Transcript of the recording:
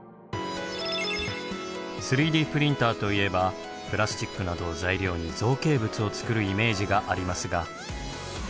３Ｄプリンターといえばプラスチックなどを材料に造形物を作るイメージがありますが。